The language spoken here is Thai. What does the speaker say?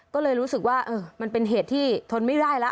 ก็เลยรู้สึกว่ามันเป็นเหตุที่ทนไม่ได้แล้ว